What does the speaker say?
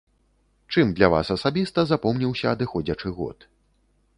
Чым для вас асабіста запомніўся адыходзячы год?